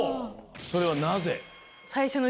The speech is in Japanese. それはなぜ？